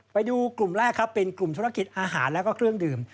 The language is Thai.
ไปดูกลุ่มแรกครับเป็นกลุ่มธุรกิจอาหารแล้วก็เครื่องดื่ม